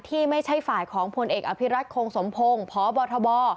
ที่ไม่ใช่ฝ่ายของพลเอกอภิรัตคงสมพงศ์พบทบ